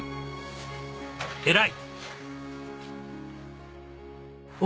偉い！